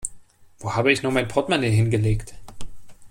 Wo habe ich nur mein Portemonnaie hingelegt?